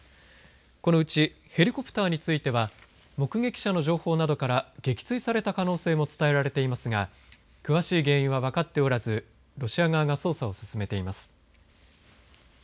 このうち、ヘリコプターについては、目撃者の情報などから撃墜された可能性も伝えられていますが詳しい原因は分かっておらずロシア側が捜査を進めています。